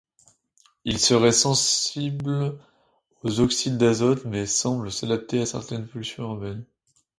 Elle serait sensible aux oxydes d'azote mais semble s'adapter à certaines pollutions urbaines.